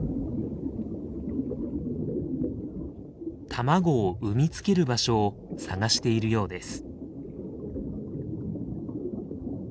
卵を産みつける場所を探しているようです。